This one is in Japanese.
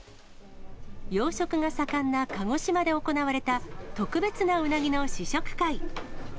養殖が盛んな鹿児島で行われた特別なウナギの試食会。